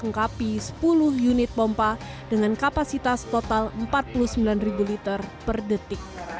mengungkapi sepuluh unit pompa dengan kapasitas total empat puluh sembilan liter per detik